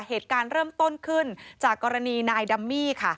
เหตุการณ์เริ่มต้นขึ้นจากกรณีนายดัมมี่ค่ะ